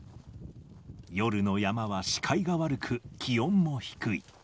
夜の山は視界が悪く、気温も低い。